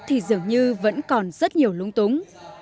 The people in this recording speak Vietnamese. thì dường như vẫn còn rất nhiều lung túng